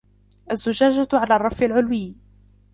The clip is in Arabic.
الزُجاجة على الرف العُلوي.